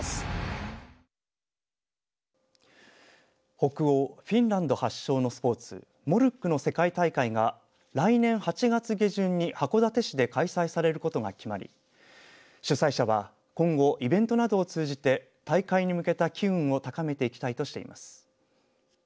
北欧フィンランド発祥のスポーツモルックの世界大会が来年８月下旬に函館市で開催されることが決まり主催者は今後イベントなどを通じて大会に向けた機運を高めていきたいとしています。